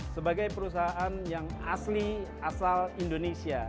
sebagai perusahaan yang asli asal indonesia